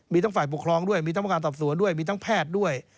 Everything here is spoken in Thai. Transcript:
มีทั้งฝ่ายปกครองด้วยมีทั้งประการสอบสวนด้วยมีทั้งแพทย์ด้วย